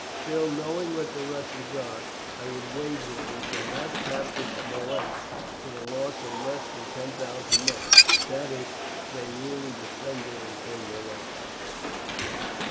Still, knowing what the Russians are, I would wager we shall not capture Smolensk with a loss of less than ten thousand men, that is if they really defend it until the last."